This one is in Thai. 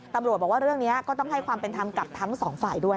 ตำรวจบอกว่าเรื่องนี้ก็ต้องให้ความเป็นธรรมกับทั้งสองฝ่ายด้วย